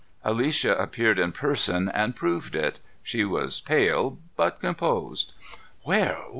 Alicia appeared in person and proved it. She was pale, but composed. "Where?